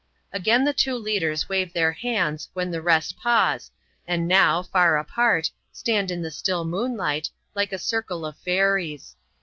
Again the two leaders wave their hands, when the rest pause; and now, far apart, stand in the still moonlight, like a circle of fairies.